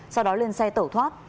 sau đó lên xe tẩu thoát